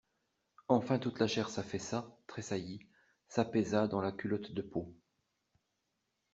Enfin toute la chair s'affaissa, tressaillit, s'apaisa dans la culotte de peau.